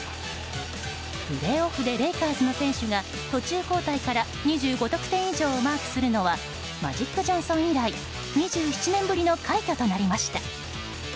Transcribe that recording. プレーオフでレイカーズの選手が途中交代から２５得点以上をマークするのはマジック・ジョンソン以来２７年ぶりの快挙となりました。